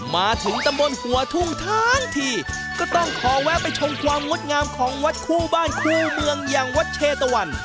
มาถึงตำบลหัวทุ่งทั้งทีก็ต้องขอแวะไปชมความงดงามของวัดคู่บ้านคู่เมืองอย่างวัดเชตะวัน